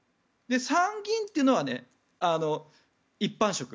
参議院というのは一般職。